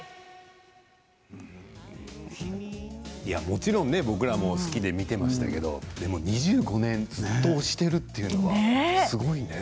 もちろん僕らも好きで見ていましたけどでも２５年ずっと推しているというのは、すごいね。